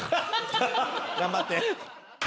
頑張って。